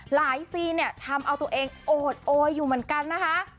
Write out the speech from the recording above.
ซีนเนี่ยทำเอาตัวเองโอดโอยอยู่เหมือนกันนะคะ